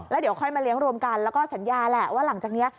แล้วเดี๋ยวค่อยมาเลี้ยงรวมกันแล้วก็สัญญาแหละว่าหลังจากนี้